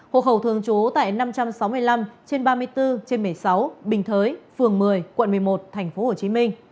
hộ khẩu thường trú tại năm trăm sáu mươi năm trên ba mươi bốn trên một mươi sáu bình thới phường một mươi quận một mươi một tp hcm